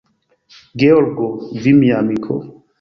Georgo, vi, mia amiko?